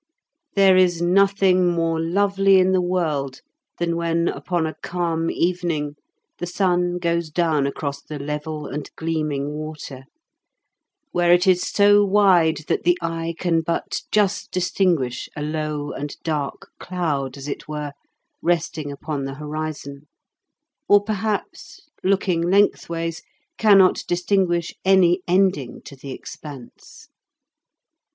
There is nothing more lovely in the world than when, upon a calm evening, the sun goes down across the level and gleaming water, where it is so wide that the eye can but just distinguish a low and dark cloud, as it were, resting upon the horizon, or perhaps, looking lengthways, cannot distinguish any ending to the expanse.